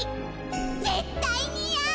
絶対にあう！